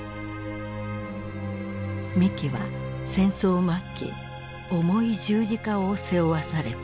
三木は戦争末期重い十字架を背負わされている。